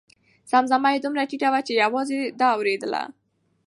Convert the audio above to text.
زمزمه یې دومره ټیټه وه چې یوازې ده اورېدله.